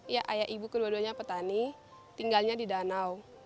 ya ayah ibu kedua duanya petani tinggalnya di danau